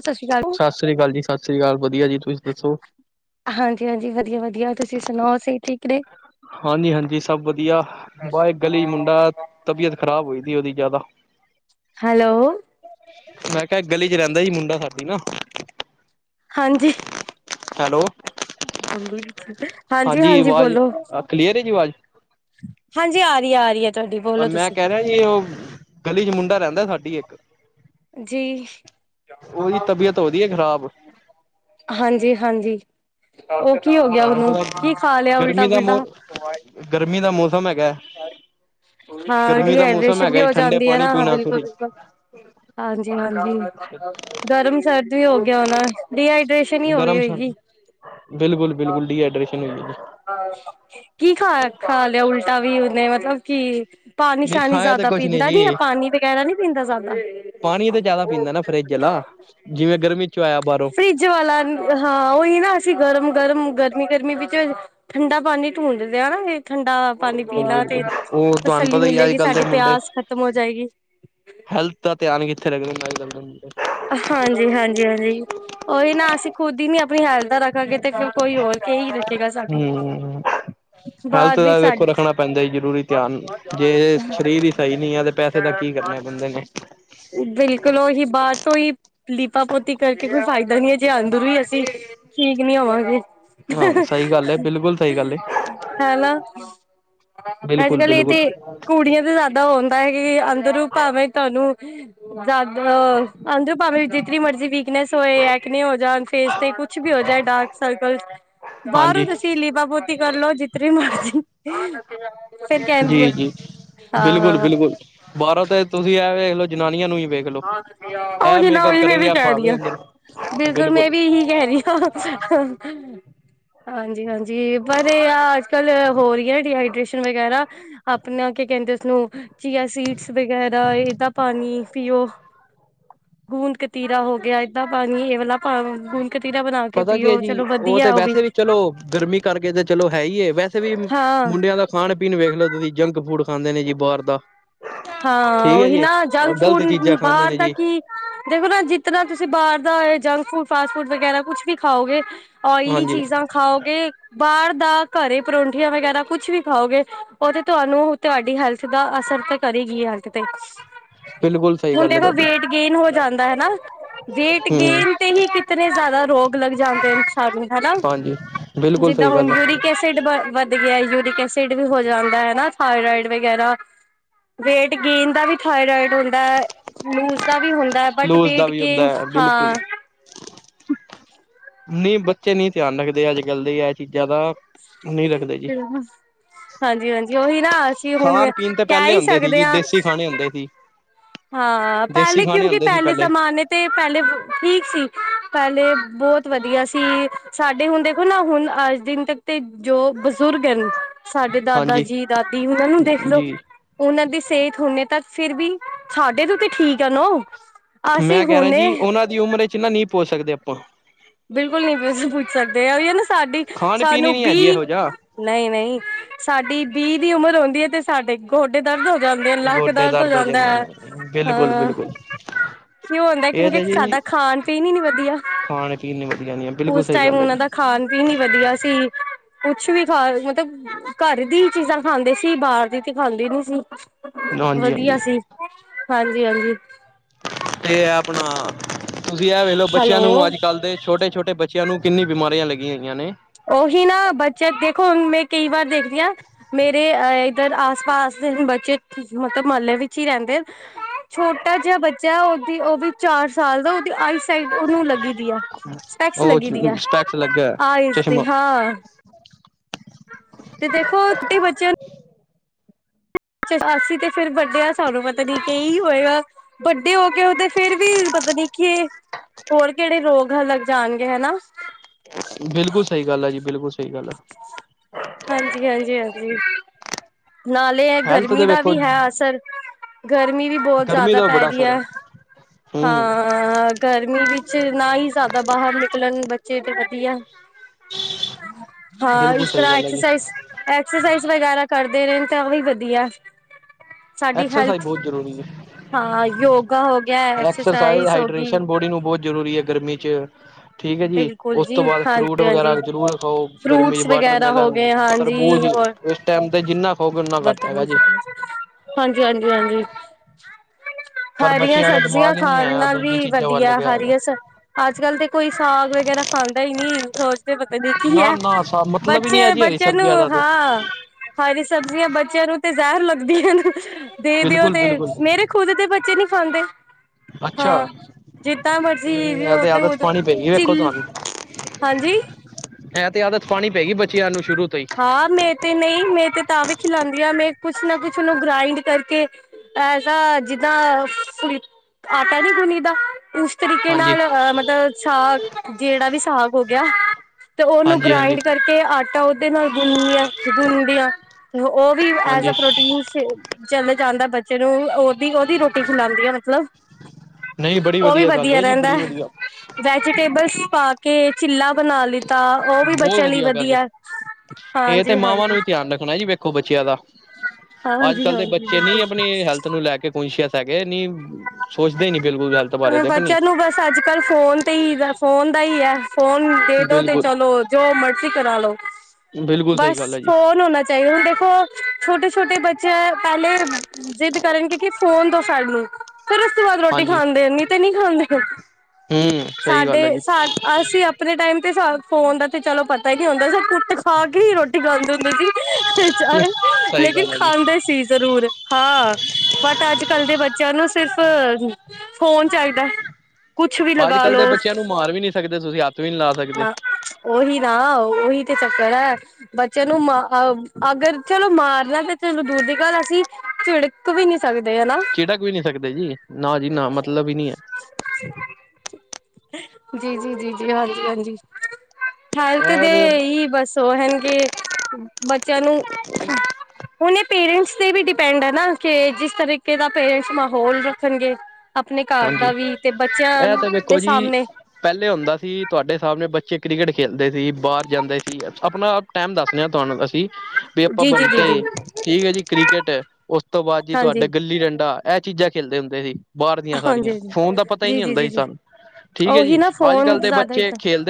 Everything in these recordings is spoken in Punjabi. ਸਤਿ ਸ਼੍ਰੀ ਅਕਾਲ ਸਸ ਸ੍ਰੀ ਕਾਲ ਜੀ, ਸਸ ਸ੍ਰੀ ਕਾਲ ਵਧੀਆ ਜੀ ਤੁਸੀਂ ਦੱਸੋ। ਹਾਂਜੀ-ਹਾਂਜੀ ਵਧੀਆ-ਵਧੀਆ ਤੁਸੀਂ ਸੁਣਾਓ, ਅਸੀ ਠੀਕ। ਨੇ ਹਾਂਜੀ-ਹਾਂਜੀ ਸਭ ਵਧੀਆ ਬਾਏ ਗਲੀ ਮੁੰਡਾ ਤਬੀਅਤ ਖਰਾਬ ਹੋਈ ਦੀ ਏ ਓਦੀ ਜਾਦਾ। ਹੈਲੋ ਮੈਂ ਕਿਆ ਗਲੀ ਚ ਰੈਂਦਾ ਸੀ ਮੁੰਡਾ ਸਾਡੀ ਨਾ। ਹਾਂਜੀ ਹੈਲੋ ਹਾਂਜੀ ਹਾਂਜੀ-ਹਾਂਜੀ, ਆਵਾਜ਼ ਬੋਲੋ। ਕਲੀਅਰ ਹੈ ਜੀ ਆਵਾਜ਼ ਹਾਂਜੀ ਆ ਰੀ ਐ, ਆ ਰੀ ਐ ਤੁਹਾਡੀ, ਬੋਲੋ ਤੁਸੀਂ। ਨੲ ਉਹ, ਗਲੀ ਚ ਮੁੰਡਾ ਰੈਂਦਾ ਸਾਡੀ ਇੱਕ ਜੀ, ਉਹਦੀ ਤਬੀਅਤ ਉਹਦੀ ਹੈ ਖ਼ਰਾਬ ਹਾਂਜੀ-ਹਾਂਜੀ। ਔ ਕੀ ਹੋ ਗਿਆ ਤੁਹਾਨੂੰ ਓਨੂੰ, ਪਤਾ ਕੀ ਖਾ ਲਿਆ ਗਰਮੀ ਦਾ ਮੌ ਉਲਟਾ-ਪੁਲਟਾ। ਗਰਮੀ ਦਾ ਮੌਸਮ ਹੈਗਾ। ਹਾਂ ਗਰਮੀ ਦਾ ਮੌਸਮ ਡੀਹਾਈਡ੍ਰੇਸ਼ਨ ਵੀ ਹੈਗਾ ਹੋ ਠੰਡੇ ਜਾਂਦੀ ਆ ਪਾਣੀ ਨਾ, ਹਾਂ ਪੀਣਾ ਫਿਰ ਬਿਲਕੁਲ-ਬਿਲਕੁਲ। ਹਾਂਜੀ-ਹਾਂਜੀ, ਗਰਮ ਸਰਦ ਵੀ ਹੋ ਗਿਆ ਹੋਨਾ ਡੀਹਾਈਡ੍ਰੇਸ਼ ਗਰਮ ਸਰਦ ਬਿਲਕੁਲ-ਬਿਲਕੁਲ, ਡੀਹਾਈਡ੍ਰੇਸ਼ਨ ਹੋਗੀ ਜੀ। ਕੀ ਖਾ, ਖਾ ਲਿਆ ਉਲਟਾ ਵੀ ਉਨੇ, ਮਤਲਬ ਕੀ ਨਹੀਂ ਪਾਨੀ-ਸ਼ਾਨੀ ਖਾਇਆ ਤਾਂ ਜਾਦਾ ਕੁਛ ਪੀਂਦਾ ਨੀ ਆ, ਜੀ ਪਾਨੀ ਵਗੈਰਾ ਨੀ ਪੀਂਦਾ ਜਾਦਾ। ਪਾਣੀ ਤਾਂ ਜ਼ਿਆਦਾ ਪੀਂਦਾ ਨਾ ਫਰਿੱਜ ਆਲਾ ਜਿਵੇਂ ਗਰਮੀ ਚੋਂ ਆਯਾ ਬਾ ਫਰਿੱਜ ਵਾਲਾ ਹਾਂ, ਉਹੀ ਨਾ, ਅਸੀਂ ਗਰਮ-ਗਰਮ, ਗਰਮੀ-ਗਰਮੀ ਵਿੱਚ ਠੰਡਾ ਪਾਨੀ ਢੂੰਡਦੇ ਆ ਨਾ ਫੇਰ। ਠੰਡਾ ਪਾਨੀ ਬਿਲਕੁਲ ਪੀਨਾ ਤੇ ਬਿਲਕੁਲ ਉਹ ਤੁਹਾਨੂੰ ਤਸੱਲੀ ਪਤਾ ਹੀ ਅੱਜ ਮਿਲੇਗੀ, ਕੱਲ ਦੇ ਸਾਡੀ ਮੁੰਡੇ ਪਿਆਸ ਖਤਮ ਹੋ ਜਾਏਗੀ। ਹੈਲਥ ਦਾ ਧਿਆਨ ਕਿੱਥੇ ਰੱਖਨਗੇ [unintelligible] ਹਾਂਜੀ-ਹਾਂਜੀ-ਹਾਂਜੀ। ਓਈ ਨਾ ਅਸੀਂ ਖੁਦ ਈ ਨੀ ਆਪਨੀ ਹੈਲਥ ਦਾ ਰੱਖਾਂਗੇ ਤੇ ਕੋਈ ਹੋਰ ਕੇਈ ਨੀ ਹੂੰ। ਹੈਲਥ ਬਾਅਦ ਦਾ ਵਿੱਚ ਵੇਖੋ ਸਾਡੀ ਰੱਖਨਾ ਪੈਂਦਾ ਜ਼ਰੂਰੀ ਧਿਆਨ, ਜੇ ਸਰੀਰ ਈ ਸਈ ਨਈਂ ਐ ਤੇ ਪੈਸੇ ਦਾ ਕੀ ਕਰਨਾ ਬੰਦੇ ਨੇ। ਬਿਲਕੁਲ ਓਹੀ ਬਾਤ ਤੋਂ ਈ ਲੀਪਾ ਪੋਤੀ ਕਰਕੇ ਕੋਈ ਫਾਇਦਾ ਨੀ ਐ, ਜੇ ਅੰਦਰ ਈ ਅਸੀਂ ਠੀਕ ਨੀ ਹੋਵਾਂਗੇ। ਹਾਂ ਸਹੀ ਗੱਲ ਹੈ ਬਿਲਕੁਲ ਸਹੀ ਗੱਲ ਹੈ ਹੈ ਨਾ ਬਿਲਕੁਲ ਅੱਜ-ਕੱਲ ਏ ਬਿਲਕੁਲ ਤੇ ਕੁੜੀਆਂ ਤੇ ਜਾਦਾ ਦਾ ਹੁੰਦਾ ਏ ਕੇ ਅੰਦਰੋਂ ਭਾਵੇਂ ਤੁਆਨੂੰ ਯਾਦਵ ਅੰਦਰੋਂ ਭਾਵੇਂ ਜਿਤਨੀ ਮਰਜ਼ੀ ਵੀਕਨੈਸ ਹੋਏ, ਐਕਨੇ ਹੋ ਜਾਨ ਫੇਸ ਤੇ ਕੁਛ ਵੀ ਹੋ ਜਾਏ ਡਾਰਕ ਸਰਕਲ, ਬਾਰੋਂ ਹਾਂਜੀ ਤੇ ਅਸੀਂ ਲੀਪਾ ਪੋ ਚੀ ਕਰਲੋ ਜਿਤਨੀ ਮਰਜ਼ੀ ਕਹਿੰਦੀ ਹੈ ਜੀ-ਜੀ, ਹਾਂ ਬਿਲਕੁਲ-ਬਿਲਕੁਲ, ਬਾਰੋਂ ਤਾਂ ਤੁਸੀਂ ਐ ਵੇਖ ਲਓ, ਜਨਾਨੀਆਂ ਨੂੰ ਈ ਵੇ ਓਹੀ ਨਾ ਓਹੀ ਮੈਂ ਵੀ ਕੈ ਰਈ ਭਾਵੇਂ ਆਂ, ਅੰਦਰ ਬਿਲਕੁਲ ਮੈਂ ਵੀ ਏਹੀ ਕੈ ਰਈ ਆਂ। ਹਾਂਜੀ-ਹਾਂਜੀ, ਪਰ ਏ ਆ ਅੱਜ-ਕੱਲ ਹੋ ਰਈ ਐ ਡੀਹਾਈਡ੍ਰੇਸ਼ਨ ਵਗੈਰਾ, ਆਪਨਾ ਕੀ ਕੈਂਦੇ ਉਸਨੂੰ ਚੀਆ ਸੀਡਸ ਵਗੈਰਾ, ਏਦਾ ਪਾਨੀ ਪੀਓ, ਗੂੰਦ ਕਤੀਰਾ ਹੋ ਗੇਆ ਏਦਾ ਪਾਨੀ ਏ ਵਾਲਾ ਪਾਨੀ ਪੀ ਕਤੀਰਾ ਬਨਾ ਕੇ ਪਤਾ ਕੀ ਹੈ ਪੀਓ, ਜੀ ਚਲੋ ਉਹ ਤੇ ਵਦੀਆ ਓ ਵੀ। ਵੈਸੇ ਚਲੋ, ਗਰਮੀ ਕਰਕੇ ਤੇ ਚਲੋ ਹੈ ਈ ਏ ਵੈਸੇ ਵੀ ਹਾਂ ਮੁੰਡੇਆਂ ਦਾ ਖਾਨ-ਪੀਨ ਵੇਖ ਲੋ ਤੁਸੀਂ ਜੰਕ ਫੂਡ ਖਾਂਦੇ ਨੇ ਜੀ ਬਾਰ ਦਾ। ਹਾਂ ਠੀਕ ਹੈ ਓਹੀ ਜੀ ਨਾ ਜੰਕ ਗ਼ਲਤ ਫੂਡ ਚੀਜ਼ਾਂ ਖਾਂਦੇ ਬਾਰ ਨੇ ਦਾ ਜੀ ਕੀ ਦੇਖੋ ਨਾ, ਜਿਤਨਾ ਤੁਸੀਂ ਬਾਰ ਦਾ ਜੰਕ ਫੂਡ ਫਾਸਟ ਫੂਡ ਵਗੈਰਾ ਕੁਛ ਵੀ ਖਾਓਗੇ ਓਇਲੀ ਹਾਂਜੀ ਚੀਜ਼ਾਂ ਖਾਓਗੇ ਬਾਰ ਦਾ ਘਰੇ ਪਰੌਠੀਆਂ ਵਗੈਰਾ ਕੁਛ ਵੀ ਖਾਓਗੇ, ਓ ਤੇ ਤੁਆਨੂੰ ਤੁਆਡੀ ਹੈਲਥ ਦਾ ਅਸਰ ਤੇ ਕਰੇਗੀ ਹੈਲਥ ਤੇ, ਬਿਲਕੁਲ ਸਹੀ ਹੁਨ ਗੱਲ ਹੈ ਦੇਖੋ ਤੁਹਾਡੀ ਵੇਟ ਗੇਨ ਹੋ ਜਾਂਦਾ ਹਨਾ। ਵੇਟ ਹਮ ਗੇਨ ਤੇ ਈ ਕਿਤਨੇ ਜਾਦਾ ਰੋਗ ਲੱਗ ਜਾਂਦੇ ਨੇ ਇਨਸਾਨ ਨੂੰ ਹਨਾ। ਹਾਂਜੀ ਬਿਲਕੁਲ ਜਿੱਦਾਂ ਸਹੀ ਹੁਨ ਗੱਲ ਹੈ। ਯੂਰਿਕ ਐਸਿ ਡ ਵੱਧ ਗੇਆ, ਯੂਰਿਕ ਐਸਿਡ ਵੀ ਹੋ ਜਾਂਦਾ ਐ ਹਨਾ ਥਾਇਰਾਇਡ ਵਗੈਰਾ ਵੇਟ ਗੇਨ ਦਾ ਵੀ ਥਾਇਰਾਇਡ ਹੁੰਦਾ, ਲੂਜ ਦਾ ਵੀ ਹੁੰ ਦਾ ਬਟ ਲੂਜ ਦਾ ਵੇਟ ਵੀ ਹੁੰਦਾ ਗੇਨ ਹੈ ਬਿਲਕੁਲ ਹਾਂ ਨਈਂ ਬੱਚੇ ਨਈਂ ਧਿਆਨ ਰੱਖਦੇ ਅੱਜ-ਕੱਲ ਦੇ ਐ ਚੀਜ਼ਾਂ ਦਾ, ਨਈਂ ਰੱਖਦੇ ਜੀ। ਹਾਂਜੀ-ਹਾਂਜੀ ਉਹੀ ਨਾ ਅਸੀਂ ਹੁਣ ਖਾਨ-ਪੀਨ ਤੇ ਕਹਿ ਪੈਲੇ ਹੀ ਹੁੰਦੇ ਸੀ ਸਕਦੇ ਜੀ ਹਾਂ। ਦੇਸੀ ਖਾਨੇ ਹੁੰਦੇ ਸੀ। ਹਾਂ, ਦੇਸੀ ਪੈਲੇ ਖਾਣੇ ਕਿਓਂਕਿ ਹੁੰਦੇ ਸੀ ਪੈਲੇ ਪਹਿਲੇ ਜ਼ਮਾਨੇ ਤੇ ਪੈਲੇ ਠੀਕ ਸੀ, ਪੈਲੇ ਬੋਤ ਵਦੀਆ ਸੀ ਸਾਡੇ ਹੁਨ ਦੇਖੋ ਨਾ ਹੁਨ ਅ ਦਿਨ ਤੱਕ ਤੇ, ਜੋ ਬਜ਼ੁਰਗ ਐ ਨਾ ਸਾਡੇ ਦਾਦਾ ਹਾਂਜੀ ਜੀ ਦਾਦੀ ਉਨਾਂ ਨੂੰ ਦੇਖ ਲੋ, ਜੀ ਓਨਾਂ ਦੀ ਸੇਤ ਹੁਨੇ ਤੱਕ ਫਿਰ ਵੀ ਸਾਡੇ ਤੋਂ ਤੇ ਠੀਕ ਐ ਨੋਂ, ਅਸੀਂ ਮੈਂ ਕਹਿਣਾ ਹੁਨੇ ਜੀ ਉਹਨਾਂ ਦੀ ਉਮਰ ਵਿਚ ਨਾ ਨਈਂ ਪੋਂਚ ਸਕਦੇ ਆਪਾਂ। ਬਿਲਕੁਲ ਨਈਂ ਤੁਸੀਂ ਪੁੱਜ ਸਕਦੇ ਆ ਓਈਓ ਨਾ ਸਾਡੀ ਖਾਣ ਪੀਣ ਸਾਨੂੰ ਹੀ ਨੀ ਹੈ ਜੀ ਵੀਅ ਇਹੋ ਜਿਹਾ ਨਈਂ-ਨਈਂ, ਸਾਡੀ ਵੀਅ ਦੀ ਉਮਰ ਹੁੰਦੀ ਏ ਤੇ ਸਾਡੇ ਗੋਡੇ ਦਰਦ ਹੋ ਜਾਂਦੇ, ਲੱਕ ਗੋਡੇ ਦਰਦ ਹੋ ਜਾਂਦੈ, ਜਾਂਦੇ ਨੇ ਬਿਲਕੁਲ ਹਾਂ ਬਿਲਕੁਲ ਕਿਉਂ ਹੁੰਂਦਾ ਇਹ ਕਿਉਂਕਿ ਤਾਂ ਜੀ ਸਾਡਾ ਖਾਣ ਪੀਣ ਈ ਨੀ ਵਧੀਆ। ਖਾਣ ਪੀਣ ਨੀ ਵਧੀਆ ਨੀ ਆ ਬਿਲਕੁੱਲ ਸਈ ਗੱਲ ਐ ਜੀ। ਵੀ ਨੀ ਵਧੀਆ ਸੀ ਕੁਛ ਵੀ ਖਾ ਮਤਲਬ ਘਰ ਦੀ ਈ ਚੀਜ਼ਾਂ ਖਾਂਦੇ ਸੀ ਬਾਰ ਦੀ ਤੇ ਖਾਂਦੇ ਈ ਨੀ ਸੀ। ਹਾਂਜੀ ਵਧੀਆ ਹਾਂਜੀ ਸੀ ਹਾਂਜੀ-ਹਾਂਜੀ। ਤੇ ਐ ਆਪਣਾ ਤੁਸੀਂ ਐ ਵੇਖ ਲੋ ਬੱਚਿਆਂ ਨੂੰ ਹੈਲੋ ਅੱਜ-ਕੱਲ ਦੇ ਛੋਟੇ-ਛੋਟੇ ਬੱ ਚਿਆਂ ਨੂੰ ਕਿੰਨੀ ਬਿਮਾਰੀਆਂ ਲੱਗੀਆਂ ਹੋਈਆਂ ਨੇ। ਉਹੀ ਨਾ ਬੱਚੇ ਦੇਖੋ ਹੁਣ ਮੈਂ ਕਈ ਵਾਰ ਦੇਖਦੀ ਆ ਮੇਰੇ ਅ ਏਧਰ ਆਸ-ਪਾਸ ਦੇ ਬੱਚੇ ਮਤਲਬ ਮੱਲੇ ਵਿੱਚ ਈ ਰੈਂਦੇ ਛੋਟਾ ਜੇਆ ਬੱਚਾ ਐ ਉਦੀ ਓ ਵੀ ਚਾਰ ਸਾਲ ਦਾ ਉਦੀ ਆਈਸ ਸਾਈਡ ਉਨੂੰ ਲੱਗੀ ਦੀ ਆ ਸਪੈਕਸ ਉਹ ਲੱਗੀ ਦੀ ਆ ਸਪੈਕਸ ਲੱਗਿਆ ਆਈਜ਼ ਤੇ ਚਸ਼ਮਾ ਹਾਂ ਤੇ ਦੇਖੋ ਤੇ ਬੱਚਿਆਂ ਅਸੀਂ ਤੇ ਫੇਰ ਵੱਡੇ ਆ ਸਾਨੂੰ ਪਤਾ ਨੀ ਕੀ ਈ ਹੋਏਗਾ ਵੱਡੇ ਹੋ ਕੇ ਉਦੇ ਫੇਰ ਵੀ ਪਤਾ ਨੀ ਕੇ ਹੋਰ ਕੇੜੇ ਰੋਗਹ ਲੱਗ ਜਾਣਗੇ ਹਨਾ। ਬਿਲਕੁੱਲ ਸਈ ਗੱਲ ਆ ਜੀ, ਬਿਲਕੁੱਲ ਸਈ ਗੱਲ ਆ। ਹਾਂਜੀ-ਹਾਂਜੀ-ਹਾਂਜੀ, ਨਾਲ ਤੇ ਹੈਲਥ ਗਰਮੀ ਦੇ ਦਾ ਵੇਖੋ ਵੀ ਹੈ ਅਸਰ, ਗਰਮੀ ਵੀ ਬੋਤ ਗਰਮੀ ਜਿਆਦਾ ਦਾ ਪੈ ਬੜਾ ਰੀ ਅਸਰ ਆ। ਹੈ ਹਮ ਹਾਂ ਗਰਮੀ ਵਿੱਚ ਨਾ ਈ ਜਿਆਦਾ ਬਾਹਰ ਨਿਕਲਣ ਬੱਚੇ ਤੇ ਵਧੀਆ ਹਾਂ ਬਿਲਕੁਲ ਇਸ ਸਹੀ ਗੱਲ ਹੈ ਜੀ ਇਸ ਐਕਸਰਸਾਈਜ਼ ਵਗੈਰਾ ਕਰਦੇ ਰੈਂਨ ਤਾਂ ਵੀ ਵਧੀਆ। ਸਾਡੀ ਐਕਸਰਸਾਈਜ਼ ਹੈਲਥ ਬੋਤ ਜ਼ਰੂਰੀ ਏ। ਹਾਂ ਯੋਗਾ ਹੋ ਗਿਆ ਐਕਸਰਸਾਈਜ਼, ਹੋ ਗਈ। ਹਾਈਡ੍ਰੇਸ਼ਨ ਬੋਡੀ ਨੂੰ ਬੋਤ ਜ਼ਰੂਰੀ ਐ ਗਰਮੀ ਚ ਠੀਕ ਏ ਜੀ ਬਿਲਕੁਲ ਉਸ ਤੋਂ ਜੀ ਬਾਅਦ ਫਰੂਟ ਹਾਂਜੀ ਵਗੈਰਾ ਹਾਂਜੀ ਜ਼ਰੂਰ ਖਾਓ ਗਰਮੀ ਚ ਫਰੂਟਸ ਵਗੈਰਾ ਹੋ ਵੋਟਰਮੈਲਨ, ਗਏ ਹਾਂਜੀ। ਤਰਬੂਜ਼ ਏਸ ਟੈਮ ਤੇ ਜਿੰਨਾ ਖਾਓਗੇ ਉਨਾਂ ਘੱਟ ਹੈਗਾ ਜੀ। ਹਾਂਜੀ-ਹਾਂਜੀ-ਹਾਂਜੀ। ਪਰ ਹਰੀਆਂ ਬੱਚਿਆਂ ਦਾ ਸਬਜ਼ੀਆਂ ਦਿਮਾਗ ਹੀ ਨਹੀਂ ਖਾਣ ਹੈ ਨਾਲ ਦੂਜੀ ਵੀ ਚੀਜ਼ਾਂ ਵੱਲ ਵਧੀਆ ਲੱਗਿਆ ਹੋਇਆ ਹਰੀਆ ਸ ਅੱਜ-ਕੱਲ ਤੇ ਕੋਈ ਸਾਂਗ ਵਗੈਰਾ ਖਾਂਦਾ ਈ ਨੀ ਸੋਚ ਤੇ ਪਤਾ ਨੀ ਕੀ ਨਾ ਐ ਨਾ ਸਾਬ ਮਤਲਬ ਹੀ ਬੱਚੇ ਨਹੀਂ ਹੈ ਜੀ ਹਰੀ ਬੱਚਿਆਂ ਨੂੰ ਸਬਜ਼ੀਆਂ ਦਾ ਤੇ ਹਾਂ ਹਰੀ ਸਬਜ਼ੀਆਂ ਬੱਚਿਆਂ ਨੂੰ ਤੇ ਜ਼ਹਿਰ ਲੱਗਦੀਆਂ ਹਨ। ਦੇ ਦੇਓ ਬਿਲਕੁਲ ਤੇ ਬਿਲਕੁਲ ਮੇਰੇ ਖ਼ੁਦ ਤੇ ਬੱਚੇ ਨੀ ਖਾਂਦੇ। ਅੱਛਾ ਹਾਂ ਜਿੱਦਾਂ ਮਰਜ਼ੀ ਵੀ ਉਦਾ ਉਦੋਂ ਦੇਖੋ ਚਿੱਲ ਤੁਆਨੂੰ, ਹਾਂਜੀ ਐ ਤੇ ਆਦਤ ਪਾਨੀ ਪੇਗੀ ਬੱਚਿਆਂ ਨੂੰ ਸ਼ੁਰੂ ਤੋਂ ਈ। ਹਾਂ ਮੈਂ ਤੇ ਨਈਂ ਮੈਂ ਤੇ ਤਾਂ ਵੀ ਖਿਲਾਂਦੀ ਆ ਮੈਂ ਕੁਛ ਨਾ ਕੁਛ ਉਨੂੰ ਗ੍ਰਾਇੰਡ ਕਰਕੇ ਐਸਾ ਜਿੱਦਾਂ ਫੇ ਆਟਾ ਨੀ ਗੁੰਨੀਦਾ ਉਸ ਤਰੀਕੇ ਹਾਂਜੀ ਨਾਲ ਅ ਮਤਲਬ ਸਾ ਜੇੜਾ ਵੀ ਸਾਂਗ ਹੋ ਗਿਆ ਤੇ ਉਨੂੰ ਹਾਂਜੀ ਹਾਂਜੀ ਗ੍ਰਾਇੰਡ ਕਰਕੇ ਆਟਾ ਉਦ ਨਾਲ ਗੁੰਨੀਆ ਗੁੰਨਦੀਆਂ ਓ ਵੀ ਐਜ਼ ਆ ਹਾਂਜੀ ਪ੍ਰੋਟੀਨ ਨੂੰ ਫੇ ਚਲ ਜਾਂਦਾ ਬੱਚੇ ਨੂੰ ਓ ਦੀ ਉਦੀ ਰੋਟੀ ਖਲਾਦੀ ਆ ਮਤਲਬ, ਨਹੀਂ ਬੜੀ ਓ ਵੀ ਗੱਲ ਵਧੀਆ ਹੈ ਜੀ ਰੈਂਦਾ ਬੜੀ ਐ। ਵਧੀਆ ਵੈਜੀਟੇਬਲਸ ਪਾ ਕੇ ਚਿੱਲਾ ਬਣਾ ਲਿਤਾ ਓ ਵੀ ਬੱਚਿਆਂ ਲਈ ਵਧੀਆ। ਏ ਤੇ ਹਾਂਜੀ ਮਾਵਾਂ ਨੂੰ ਹਾਂਜੀ ਵੀ ਧਿਆਨ ਰੱਖਣਾ ਜੀ ਵੇਖੋ ਬੱਚਿਆਂ ਦਾ। ਹਾਂਜੀ ਅੱਜ-ਕੱਲ ਦੇ ਹਾਂਜੀ ਬੱਚੇ ਨੀ ਆਪਣੀ ਬਿਲਕੁਲ ਹੈਲਥ ਨੂੰ ਲੈ ਕੇ ਕੁਸ਼ਅਸ ਹੈਗੇ ਨੀ ਸੋਚਦੇ ਈ ਨੀ ਬਿਲਕੁੱਲ ਹੈਲਥ ਬਾਰੇ ਤੇ ਆਪਣੀ। ਬੱਚਿਆਂ ਨੂੰ ਬਸ ਅੱਜ-ਕਲ ਫੋਨ ਤੇ ਹੀ ਦਾ ਫੋਨ ਦਾ ਹੀ ਹੈ। ਫੋਨ ਦੇ ਦੋ ਤੇ ਬਿਲਕੁਲ ਚਲੋ ਜੋ ਮਰਜ਼ੀ ਕਰਾਲੋ, ਬਿਲਕੁਲ ਸਹੀ ਬਸ ਗੱਲ ਹੈ ਜੀ ਫੋਨ ਹੋਣਾ, ਹੁਣ ਦੇਖੋ ਛੋਟੇ-ਛੋਟੇ ਬੱਚੇ ਪਹਿਲੇ ਜਿਦ ਕਾਰਨ ਕਿ ਫੋਨ ਦੋ ਸਾਨੂੰ ਫਿਰ, ਰੋਟੀ ਹਾਂਜੀ ਖਾਂਦੇ ਨਹੀਂ ਤੇ ਨਹੀਂ ਖਾਂਦੇ ਹਮ ਸਹੀ ਗੱਲ ਹੈ ਸਾਡੇ ਜੀ ਸਾ ਅਸੀਂ ਆਪਣੇ ਟਾਈਮ ਤੇ ਫੋਨ ਦਾ ਤੇ ਚਲੋ ਪਤਾ ਹੀ ਨਹੀਂ ਹੁੰਦਾ ਕੁੱਟ, ਖਾ ਕੇ ਹੀ ਰੋਟੀ ਖਾਂਦੇ ਹੁੰਦੇ ਸੀ ਚਾਹੇ ਸਹੀ ਲੇਕਿਨ ਗੱਲ ਹੈ ਜੀ ਖਾਂਦੇ ਸੀ ਜ਼ਰੂਰ। ਹਾਂ ਬੱਟ ਅੱਜ-ਕੱਲ ਦੇ ਬੱਚਿਆਂ ਨੂੰ ਸਿਰਫ਼ ਫੋਨ ਚਾਹੀਦਾ। ਕੁਛ ਵੀ ਲਗਾ ਅੱਜ-ਕੱਲ ਲੋ ਦੇ ਬੱਚਿਆਂ ਨੂੰ ਮਾਰ ਵੀ ਨਹੀ ਸਕਦੇ ਤੁਸੀਂ ਹੱਥ ਵੀ ਨਹੀਂ ਲਾ ਸਕਦੇ। ਉਹੀ ਨਾ ਉਹੀ ਤੇ ਚੱਕਰ ਹੈ। ਬੱਚੇ ਨੂੰ ਮਾ ਅਗਰ ਚਲੋ ਮਾਰਨਾ ਤੇ ਚਲੋ ਦੂਰ ਦੀ ਗੱਲ ਅਸੀਂ ਝਿੜਕ, ਵੀ ਨਹੀਂ ਸਕਦੇ ਹਨਾ। ਝਿੜਕ ਵੀ ਨਹੀਂ ਸਕਦੇ ਜੀ ਨਾ ਜੀ ਨਾ ਮਤਲੱਬ ਹੀ ਨਹੀ ਹੈ। ਜੀ, ਜੀ, ਜੀ, ਜੀ, ਹਾਂਜੀ-ਹਾਂਜੀ। ਹੈ ਹੈਲਥ ਇਹ ਦੇ ਤੇ ਹੀ ਬਸ ਉਹ ਹੋ ਆਣਗੇ ਬੱਚਿਆਂ ਨੂੰ ਹੁਣ ਇਹ ਪੇਰੈਂਟਸ ਤੇ ਵੀ ਡਿਪੈਂਡ ਹੈ ਨਾ ਕਿ ਜਿਸ ਤਰੀਕੇ ਦਾ ਪੇਰੈਂਟਸ, ਮਾਹੌਲ ਰੱਖਣਗੇ ਆਪਣੇ ਘਰ ਦਾ ਹਾਂਜੀ ਵੀ ਤੇ ਬੱਚਿਆਂ ਇਹ ਤਾਂ ਦੇ ਵੇਖੋ ਜੀ ਸਾਹਮਣੇ, ਪਹਿਲੇ ਹੁੰਦਾ ਸੀ ਤੁਹਾਡੇ ਸਾਹਮਣੇ ਬੱਚੇ ਕ੍ਰਿਕਟ ਖੇਲਦੇ ਸੀ ਬਾਹਰ ਜਾਂਦੇ ਸੀ ਆਪਣਾ ਟਾਈਮ ਦੱਸਦੇ ਤੁਹਾਨੂੰ ਅਸੀਂ ਵੀ ਆਪਾਂ ਜੀ ਜੀ ਜੀ ਬੰਟੇ ਜੀ ਠੀਕ ਹੈ ਜੀ ਕ੍ਰਿਕਟ ਉਸ ਤੋਂ ਬਾਅਦ ਜੀ ਤੁਹਾਡਾ ਹਾਂਜੀ ਗੁੱਲੀ ਡੰਡਾ, ਇਹ ਚੀਜ਼ਾਂ ਖੇਲਦੇ ਹੁੰਦੇ ਸੀ ਬਾਹਰ। ਹਾਂਜੀ ਸਾਰੀਆ ਹਾਂਜੀ ਫੋਨ ਦਾ ਪਤਾ ਹੀ ਜੀ ਨਹੀਂ ਜੀ ਹੁੰਦਾ ਜੀ ਸੀ ਜੀ ਸਾ ਠੀਕ ਹੈ ਉਹੀ ਜੀ ਨਾ ਅੱਜ-ਕੱਲ ਫੋਨ ਦੇ ਜ਼ਿਆਦਾ ਹੀ ਬੱਚੇ ਤਾਂ ਖੇਲ,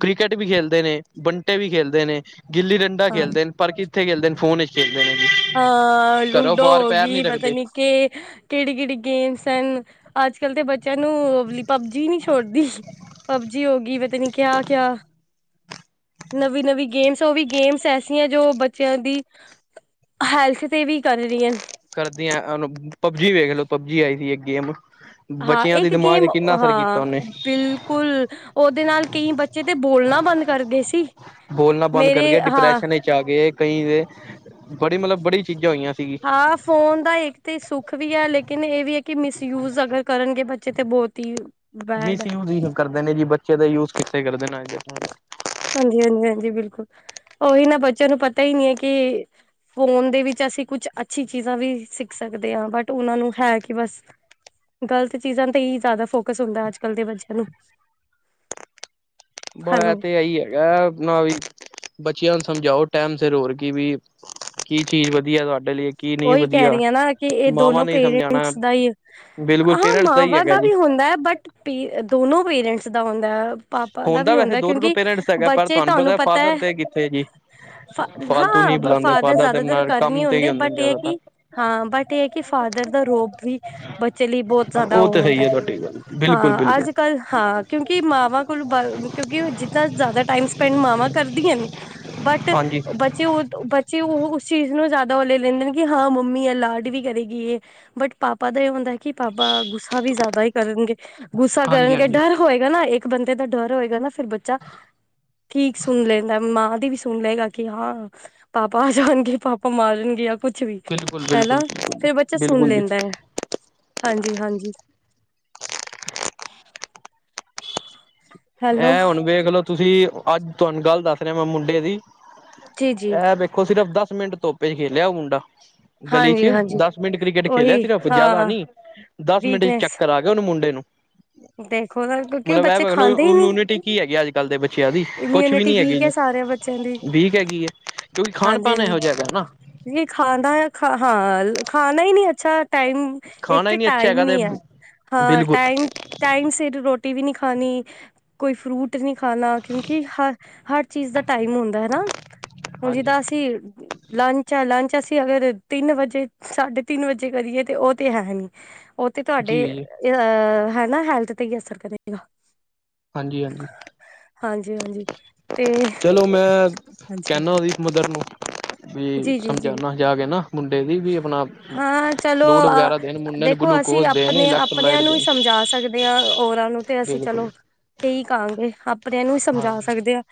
ਕ੍ਰਿਕਟ ਵੀ ਖੇਲਦੇ ਨੇ ਬੰਟੇ ਵੀ ਖੇਲਦੇ ਨੇ ਗਿੱਲੀ ਡੰਡਾ ਹਾਂ ਖੇਲਦੇ ਨੇ। ਪਰ ਕਿੱਥੇ ਖੇਲਦੇ ਨੇ ਫੋਨ ਚੱ ਖੇਲਦੇ ਨੇ ਜੀ। ਹਾਂ ਘਰੋਂ ਲੂਡੋ ਬਾਹਰ ਹੋ ਪੈਰ ਗਈ ਨਹੀਂ ਪਤਾ ਰੱਖਦੇ ਨੀ ਕਿ ਕਿਹੜੀ-ਕਿਹੜੀ ਗੇਮਸ ਹਨ। ਅੱਜ-ਕੱਲ ਤੇ ਬੱਚਿਆਂ ਨੂੰ ਓਹ ਵਾਲੀ ਪਬਜੀ ਨਹੀਂ ਛੋੜਦੀ, ਪਬਜੀ ਹੋ ਗਈ ਪਤਾ ਨਹੀਂ ਕਿਆ-ਕਿਆ। ਨਵੀਂ-ਨਵੀਂ ਗੇਮਸ ਉਹ ਵੀ ਗੇਮਸ ਐਸੀ ਹੈ ਜੋ ਬੱਚਿਆਂ ਦੀ, ਹੈਲਥ ਤੇ ਵੀ ਕਰ ਰਹੀ ਹੈ। ਕਰਦੀਆ ਉਹਨੁ ਪਬਜੀ ਵੇਖ ਲਓ ਪਬਜੀ ਆਈ ਸੀ ਇੱਕ ਗੇਂਮ। ਹਾਂ ਬੱਚਿਆਂ ਦੇ ਦਿਮਾਗ ਤੇ ਕਿੰਨਾ ਅਸਰ ਕੀਤਾ ਉਹਨੇ। ਕੁਲ ਉਹਦੇ ਨਾਲ ਕਈ ਬੱਚੇ ਤੇ ਬੋਲਣਾ ਬੰਦ ਕਰ ਗਏ ਸੀ। ਬੋਲਣਾ ਬੰਦ ਕਰ ਮੇਰੇ ਗਏ ਹਾਂ ਡਿਪਰੈਸ਼ਨ ਵਿੱਚ ਆ ਗਏ ਕਈ ਦੇ, ਬੜੀ ਮਤਲੱਬ ਬੜੀ ਚੀਜ਼ਾਂ ਹੋਈਆ। ਹਾਫ ਫੋਨ ਦਾ ਇੱਕ ਤੇ ਸੁੱਖ ਵੀ ਹੈ ਲੇਕਿਨ ਇਹ ਵੀ ਹੈ ਕਿ ਮਿਸਯੂਜ ਅਗਰ ਕਰਨਗੇ ਬੱਚੇ ਤੇ ਬਹੁਤ ਹੀ, ਬੈਡ ਹੈ ਮਿਸਯੂਜ ਹੀ ਕਰਦੇ ਨੇ ਜੀ ਬੱਚੇ ਦਾ ਯੂਜ ਕਿੱਥੇ ਕਰਦੇ ਨੇ। ਟਾਈਮ। ਹਾਂਜੀ-ਹਾਂਜੀ-ਹਾਂਜੀ, ਬਿਲਕੁਲ ਉਹੀ ਨਾ ਬੱਚਿਆਂ ਨੂੰ ਪਤਾ ਹੀ ਨਹੀਂ ਹੈ ਕਿ, ਫੋਨ ਦੇ ਵਿੱਚ ਅਸੀਂ ਕੁੱਛ ਅੱਛੀ ਚੀਜ਼ਾਂ ਵੀ ਸਿੱਖ ਸਕਦੇ ਹਾਂ ਬਟ ਉਹਨਾਂ ਨੂੰ ਹੈ ਕਿ ਬਸ, ਗਲਤ ਚੀਜ਼ਾਂ ਤੇ ਹੀ ਜ਼ਿਆਦਾ ਫੋਕਸ ਹੁੰਦਾ ਅੱਜ-ਕੱਲ ਦੇ ਬੱਚਿਆਂ ਨੂੰ। ਬ ਹੈਲੋ ਤੇ ਆਹੀ ਹੈਗਾ ਨਾ ਵੀ ਬੱਚਿਆਂ ਨੂੰ ਸਮਝਾਓ ਟਾਇਮ ਸਿਰ ਹੋਰ ਕੀ ਵੀ ਕੀ ਚੀਜ਼ ਵਧੀਆ ਤੁਹਾਡੇ ਲਈ। ਕੀ ਨਹੀਂ ਉਹੀ ਕਹਿ ਵਧੀਆ ਰਹੀਆ ਨਾ ਕਿ ਇਹ ਮਾਵਾਂ ਦੋਨੋ ਨੇ ਸਮਝਾਉਣਾ ਪੇਰੈਂਟਸ ਦਾ ਹੀ, ਬਿਲਕੁਲ ਹਾਂ ਪੇਰੈਂਟਸ ਹੀ ਮਾਵਾਂ ਹੈਗਾ ਦਾ ਜੀ ਵੀ ਹੁੰਦਾ ਹੈ ਬਟ ਦੋਨੋ ਪੇਰੈਂਟਸ ਦਾ ਹੁੰਦਾ। ਪਾਪਾ ਦਾ ਵੀ ਵੈਸੇ ਹੁੰਦਾ ਦੋਨੋਂ ਨੂੰ ਕਿਉਂਕਿ ਪੇਰੈਂਟਸ ਹੈਗਾ ਪਰ ਬੱਚੇ ਤੁਹਾਨੂੰ ਪਤਾ ਹੈ, ਫਾਦਰ ਤੇ ਕਿੱਥੇ ਜੀ ਫ਼ਾ ਫਾਲਤੂ ਨਹੀਂ ਹਾਂ, ਬੁਲਾਉਂਦੇ ਫਾਦਰ ਦੇ ਜ਼ਿਆਦਾਤਰ ਨਾਲ ਘਰ ਨੀ ਕੰਮ ਤੇ ਹੀ ਹੁੰਦੇ ਨੇ ਬਟ ਏ ਹੈ ਕਿ ਜ਼ਿਆਦਾਤਰ ਹਾਂ ਬਟ ਏ ਹੈ ਕਿ ਫਾਦਰ ਦਾ ਰੋਬ ਵੀ ਬੱਚੇ ਲਈ ਬੋਤ ਜਾਦਾ ਉਹ ਓ ਤੇ ਹੁੰਦਾ ਸਹੀ ਹੈ ਤੁਹਾਡੀ ਗੱਲ ਬਿਲਕੁਲ ਹਾਂ ਬਿਲਕੁਲ ਅੱਜ ਕੱਲ ਹਾਂ ਕਿਉਂਕਿ ਮਾਵਾਂ ਕੋਲ ਬਲ ਕਿਉਂਕਿ ਜਿਤਨਾ ਜਾਦਾ ਟਾਈਮ ਸਪੈਂਡ ਮਾਵਾਂ ਕਰਦੀਅਨ ਬਟ ਹਾਂਜੀ ਬੱਚੇ ਓ ਬੱਚੇ ਓ ਉਸ ਚੀਜ਼ ਨੂੰ ਜਾਦਾ ਓ ਲੈ ਲੈਂਦੇ ਨ। ਕਿ ਹਾਂ ਮੰਮੀ ਅ ਲਾਡ ਵੀ ਕਰੇਗੀ ਬਟ ਪਾਪਾ ਦਾ ਏ ਹੁੰਦਾ ਕਿ ਪਾਪਾ ਗੁੱਸੇ ਸਾ ਵੀ ਜਾਦਾ ਈ ਕਰਨਗੇ ਗੁੱਸਾ ਹਾਂਜੀ ਕਰਨਗੇ ਹਾਂਜੀ ਡਰ ਹੋਏਗਾ ਨਾ ਇੱਕ ਬੰਦੇ ਦਾ ਡਰ ਹੋਏਗਾ ਨਾ ਫੇਰ ਬੱਚਾ ਠੀਕ ਸੁਨ ਲੈਂਦਾ ਮਾਂ ਦੀ ਵੀ ਸੁਨ ਲਏਗਾ ਕਿ ਹਾਂ ਪਾਪਾ ਆ ਜਾਨਗੇ, ਪਾਪਾ ਮਾਰਨਗੇ ਯਾ ਕੁਛ ਵੀ ਬਿਲਕੁਲ ਹੈਨਾ ਬਿਲਕੁਲ ਬਿਲਕੁਲ ਫੇਰ ਬੱਚਾ ਸੁਨ ਬਿਲਕੁਲ ਜੀ ਲੈਂਦਾ ਐ, ਹਾਂਜੀ-ਹਾਂਜੀ। ਹੈਲੋ ਐ ਹੁਣ ਵੇਖਲੋ ਤੁਸੀਂ ਅੱਜ ਤੁਆਨੂੰ ਗੱਲ ਦੱਸ ਰਆਂ ਮੈਂ ਮੁੰਡੇ ਦੀ ਜੀ ਜੀ ਐ ਵੇਖ ਖੋ ਸਿਰਫ਼ ਦਸ ਮਿੰਟ ਧੁੱਪ 'ਚ ਖੇਲਿਆ ਓ ਮੁੰਡਾ। ਗਲੀ 'ਚ ਹਾਂਜੀ ਹਾਂਜੀ ਦਸ ਮਿੰਟ ਕ੍ਰਿਕਟ ਖੇਲਯਾ ਉਹੀ ਸਿਰਫ ਜਾਦਾ ਹਾਂ ਨੀ ਦਸ ਮਿੰਟ 'ਚ ਵੀਕਨੈਸ ਚੱਕਰ ਆ ਉਨ ਮੁੰਡੇ ਨੂੰ। ਦੇਖੋ ਨਾ ਕਿਉਂਕਿ ਮਤਲਬ ਇਹ ਬੱਚੇ ਵੇਖ ਖਾਂਦੇ ਲਓ ਹੀ ਨੀ ਇਮਿਊਨਿਟੀ ਕੀ ਹੈਗੀ ਅੱਜ ਕੱਲ ਦੇ ਬੱਚੇਆਂ ਦੀ ਕੁਛ ਵੀ ਇਮਿਊਨਿਟੀ ਨੀ ਹੈਗੀ ਵੀਕ ਹੈ ਜੀ। ਸਾਰਿਆਂ ਬੱਚਿਆਂ ਦੀ ਵੀਕ ਹੈਗੀ ਏ ਕਿਉਂਕਿ ਖਾਨ-ਪਾਨ ਐਹੋ ਜਯਾ ਹੈਗਾ ਨਾ। ਐ [unintelligible] ਖਾ ਹਾਂ ਖਾਨਾ ਹੀ ਨੀ ਅੱਛਾ ਟਾਈਮ ਇੱਕ ਖਾਣਾ ਹੀ ਤੇ ਨੀ ਅੱਛਾ ਟਾਈਮ ਹੈਗਾ ਨੀ ਐ ਤੇ ਹਾਂ ਬਿਲਕੁਲ ਟਾਈਮ ਟਾਈਮ ਸਿਰ ਰੋਟੀ ਵੀ ਨੀ ਖਾਨੀ। ਕੋਈ ਫਰੂਟ ਨੀ ਖਾਨਾ ਕਿਉਂਕਿ ਹਰ, ਹਰ ਚੀਜ਼ ਦਾ ਟਾਈਮ ਹੁੰਦਾ ਹਨਾ। ਹੁਨ ਹਾਂਜੀ ਜਿੱਦਾਂ ਅਸੀਂ ਲੰਚ ਯਾ ਲੰਚ ਅਸੀਂ ਅਗਰ ਤਿੰਨ ਵਜੇ ਸਾਢੇ ਤਿੰਨ ਵਜੇ ਕਰੀਏ ਤੇ ਓ ਤੇ ਹੈ ਨੀ ਓ ਤੇ ਜੀ ਤੁਆਡੇ ਜੀ ਅਹ ਹੈਨਾ ਹੈਲਥ ਤੇ ਈ ਅਸਰ ਕਰੇਗਾ। ਹਾਂਜੀ-ਹਾਂਜੀ। ਹਾਂਜੀ-ਹਾਂਜੀ। ਤੇ ਚਲੋ ਮੈਂ ਕੈਨਾ ਓਦੀ ਮਦਰ ਨੂੰ। ਵੀ ਜੀ-ਜੀ-ਜੀ ਸਮਝਾਨਾ ਜਾ ਕੇ ਨਾ ਮੁੰਡੇ ਦੀ ਵੀ ਆਪਣਾ ਹਾਂ ਚਲੋ ਫਲੂਡ ਅ ਵਗੈਰਾ ਦੇਣ ਮੁੰਡੇ ਨੂੰ ਦੇਖੋ ਅਸੀਂ ਗਲੂਕੋਜ ਦੇਣ ਅਪਨੇ ਆਪਨੇਆਂ ਇਲੈਕਟ੍ਰੋਲਾਈਟ ਨੂੰ ਈ ਦੇਣ ਸਮਝਾ ਸਕਦੇ ਆਂ ਔਰਾਂ ਨੂੰ ਤੇ ਅਸੀਂ ਬਿਲਕੁਲ ਚਲੋ ਤੇ ਈ ਕਾਂਗੇ ਆਪ ਅਪਨੇਆਂ ਨੂੰ ਵੀ ਸਮਝਾ ਹਾਂਜੀ ਸਕਦੇ ਆ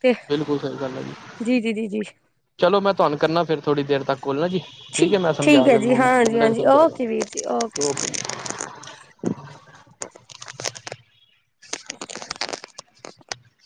ਤੇ ਬਿਲਕੁਲ ਸਹੀ ਗੱਲ ਹੈ ਜੀ, ਜੀ, ਜੀ, ਜੀ। ਚਲੋ ਮੈਂ ਤੁਆਨੂੰ ਕਰਨਾ ਫਿਰ ਥੋੜੀ ਦੇਰ ਤੱਕ ਕੌਲ ਨਾ ਜੀ। ਠੀਕ ਐ, ਮੈਂ ਸਮਝਾ ਠੀਕ ਹੈ ਦਿਆਂਗਾ ਜੀ ਓਨੂੰ ਮੁੰਡੇ ਨੂੰ ਹਾਂਜੀ-ਹਾਂਜੀ ਸਮਝਾ ਓਕੇ ਵੀਰ ਜੀ ਓਕੇ ਦਾਂਗਾ ਓਕੇ। [unintelligible]